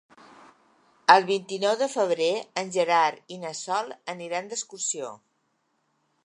El vint-i-nou de febrer en Gerard i na Sol aniran d'excursió.